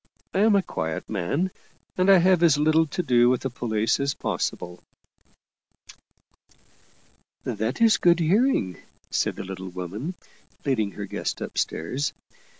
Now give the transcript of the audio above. I am a quiet man, and have as little to do with the police as possible." " That is good hearing," said the little woman, leading her guest upstairs.